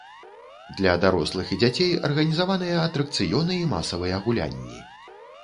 Для дарослых і дзяцей арганізаваныя атракцыёны і масавыя гулянні.